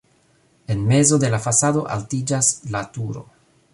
En mezo de la fasado altiĝas la turo.